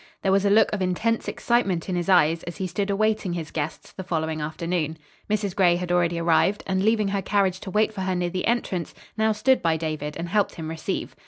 There was a look of intense excitement in his eyes, as he stood awaiting his guests, the following afternoon. Mrs. Gray had already arrived, and, leaving her carriage to wait for her near the entrance, now stood by David and helped him receive.